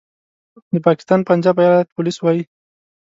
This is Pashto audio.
د پاکستان پنجاب ایالت پولیس وايي